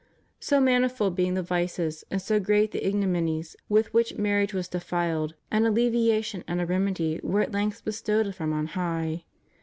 So manifold being the vices and so great the ignominies with which marriage was defiled, an alleviation and a remedy were at length bestowed from on high.